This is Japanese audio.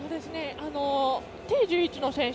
Ｔ１１の選手